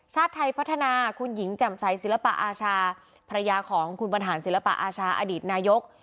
ชาติไทยพัฒนาคุณหญิงแจ่มใสศิลปะอาชาภรรยาของคุณบรรหารศิลปะอาชาอดีตนายก